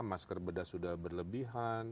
masker bedah sudah berlebihan